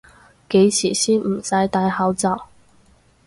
幾時先唔使戴口罩？